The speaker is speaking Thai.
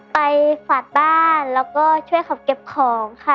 ฝากบ้านแล้วก็ช่วยเขาเก็บของค่ะ